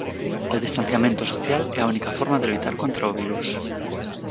O distanciamento social é a única forma de loitar contra o virus.